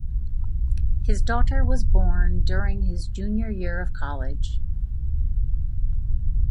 His daughter was born during his junior year of college.